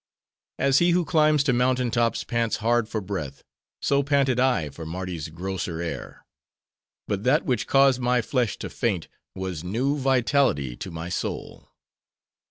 "As he who climbs to mountain tops pants hard for breath; so panted I for Mardi's grosser air. But that which caused my flesh to faint, was new vitality to my soul.